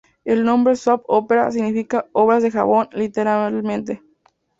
El nombre "soap opera" significa "obras de jabón", literalmente.